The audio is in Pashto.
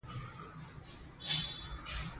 دښتې د افغانستان د ناحیو ترمنځ تفاوتونه رامنځ ته کوي.